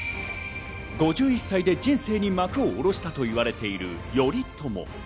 ５１歳で人生に幕を下ろしたと言われている頼朝。